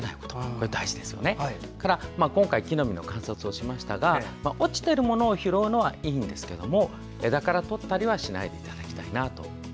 それから今回木の実の観察をしましたが落ちているものを拾うのはいいんですけど枝からとったりはしないでいただきたいと。